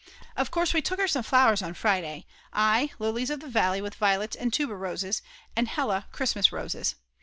Of course we took her some flowers on Friday, I lilies of the valley with violets and tuberoses, and Hella Christmas roses.